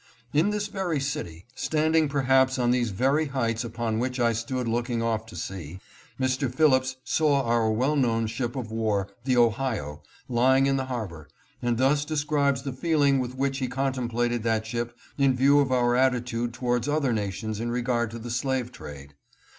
In this very city, standing perhaps on these very heights upon which I stood looking off to sea, Mr. Phillips saw our well known ship of war, the Ohio, lying in the harbor, and thus describes the feeling with which he contem plated that ship in view of our attitude towards other nations in regard to the slave trade.